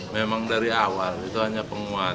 memang dari awal itu hanya penguatan